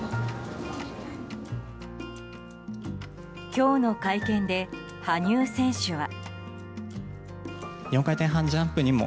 今日の会見で羽生選手は。